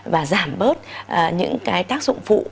và giảm bớt những cái tác dụng phụ